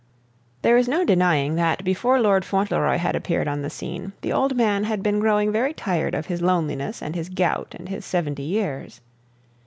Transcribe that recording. There is no denying that before Lord Fauntleroy had appeared on the scene, the old man had been growing very tired of his loneliness and his gout and his seventy years.